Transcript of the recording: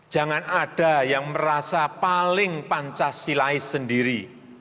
jangan ada yang merasa paling pancasilais sendiri